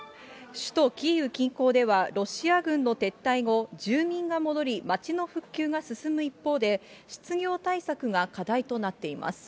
首都キーウ近郊では、ロシア軍の撤退後、住民が戻り、街の復旧が進む一方で、失業対策が課題となっています。